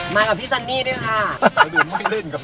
มากับพี่ซันนี่ด้วยค่ะ